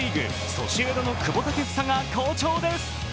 ソシエダの久保建英が好調です。